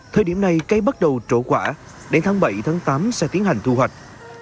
thời điểm này cây bắt đầu trổ quả đến tháng bảy tám sẽ tiến hành thu hoạch